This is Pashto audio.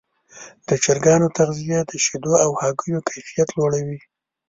د چرګانو تغذیه د شیدو او هګیو کیفیت لوړوي.